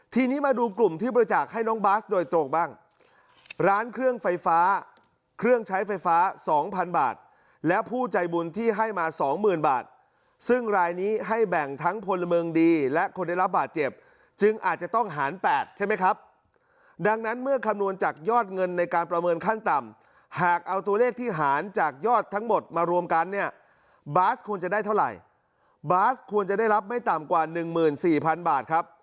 ทีนี้มาดูกลุ่มที่บริจาคให้น้องบาทโดยตรงบ้างร้านเครื่องไฟฟ้าเครื่องใช้ไฟฟ้าสองพันบาทและผู้ใจบุญที่ให้มาสองหมื่นบาทซึ่งรายนี้ให้แบ่งทั้งพลเมิงดีและคนได้รับบาทเจ็บจึงอาจจะต้องหารแปดใช่ไหมครับดังนั้นเมื่อคำนวณจากยอดเงินในการประเมินขั้นต่ำหากเอาตัวเลขที่หารจากยอดทั้งหมดมาร